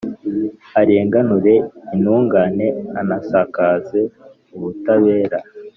arenganure intungane, anasakaze ubutabera.